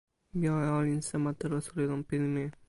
mi jo e olin sama telo suli lon pilin mi.